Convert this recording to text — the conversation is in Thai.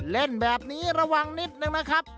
เล่นแบบนี้ระวังนิดนึงนะครับ